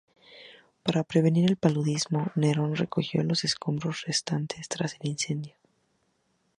Para prevenir el paludismo, Nerón recogió los escombros resultantes tras el incendio.